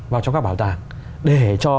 vào trong các bảo tàng để cho